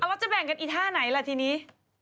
แล้วจะแบ่งกันอีท่าไหนล่ะทีนี้